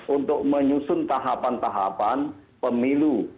untuk menyusun tahapan tahapan pemilu